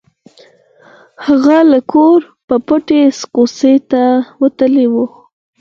هغه له کوره په پټه کوڅې ته وتلی و